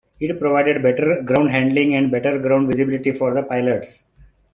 It provided better ground handling and better ground visibility for the pilots.